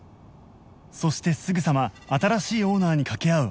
そしてすぐさま新しいオーナーに掛け合う新